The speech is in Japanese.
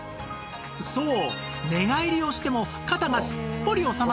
そう！